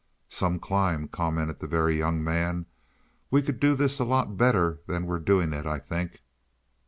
"Some climb," commented the Very Young Man. "We could do this a lot better than we're doing it, I think."